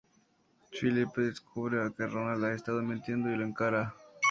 Philippe descubre que Ronald ha estado mintiendo y lo encara.